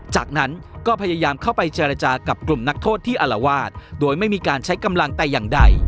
จากนั้นก็พยายามเข้าไปเจรจากับกลุ่มนักโทษที่อารวาสโดยไม่มีการใช้กำลังแต่อย่างใด